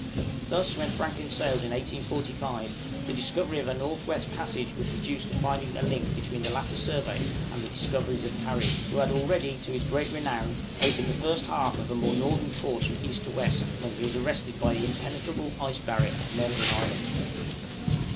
Thus, when Franklin sailed in 1845, the discovery of a North West Passage was reduced to the finding a link between the latter survey and the discoveries of Parry, who had already, to his great renown, opened the first half of a more northern course from east to west, when he was arrested by the impenetrable ice barrier at Melville Island.